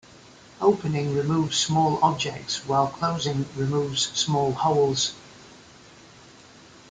Opening removes small objects, while closing removes small holes.